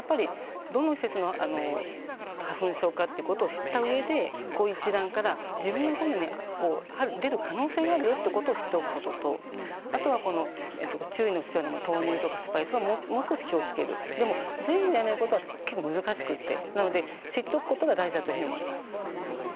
どの花粉症かということを知ったうえでこういう一覧から自分が出る可能性があるということを知っておくことそれから豆乳とかスパイスはもう少し気をつける全部気をつけることは難しいので知っておくことが大事だと思います。